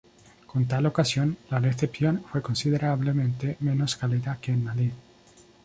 Con tal ocasión, la recepción fue considerablemente menos cálida que en Madrid.